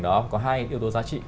bức ảnh đó có hai yếu tố giá trị